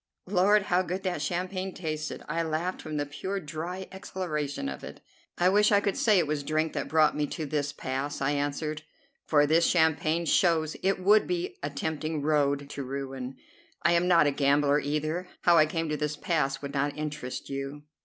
Lord, how good that champagne tasted! I laughed from the pure, dry exhilaration of it. "I wish I could say it was drink that brought me to this pass," I answered; "for this champagne shows it would be a tempting road to ruin. I am not a gambler, either. How I came to this pass would not interest you."